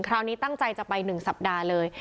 คราวนี้ตั้งใจจะไป๑สัปดาห์เลย